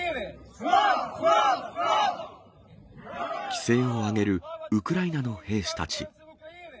気勢を上げるウクライナの兵士たち。